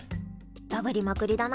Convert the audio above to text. ダブりまくりだな。